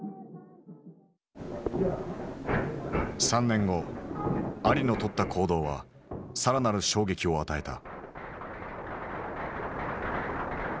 ３年後アリのとった行動は更なる衝撃を与えた。